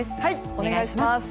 お願いします。